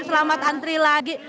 selamat antri lagi